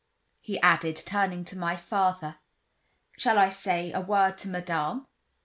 he added, turning to my father. "Shall I say a word to Madame?"